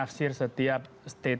itu yang terjadi misalnya pada kasus ahok